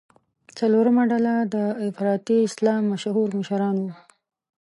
څلورمه ډله د افراطي اسلام مشهور مشران وو.